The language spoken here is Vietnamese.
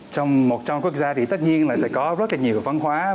trong một trăm linh quốc gia thì tất nhiên là sẽ có rất là nhiều văn hóa